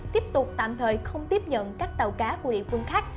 tiếp tục tạm thời không tiếp nhận các tàu cá của địa phương khác